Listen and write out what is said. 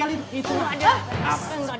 di dalam sekali